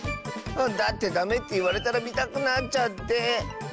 だってダメっていわれたらみたくなっちゃって。ね。